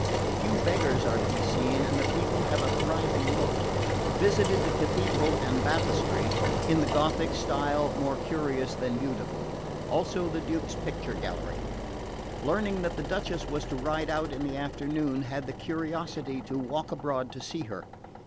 Few beggars are to be seen and the people have a thriving look. Visited the Cathedral and Baptistery, in the Gothic style, more curious than beautiful; also the Duke's picture gallery. Learning that the Duchess was to ride out in the afternoon, had the curiosity to walk abroad to see her.